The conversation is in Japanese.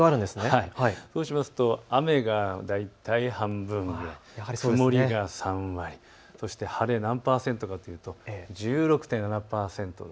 そうしますと雨が大体半分ぐらい、曇りが３割、そして晴れ何％かというと１６．７％。